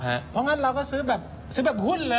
เพราะงั้นเราก็ซื้อแบบหุ้นเลย